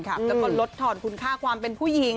แล้วก็ลดถอนคุณค่าความเป็นผู้หญิง